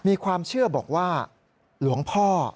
มีความเชื่อบอกว่าหลวงพ่อ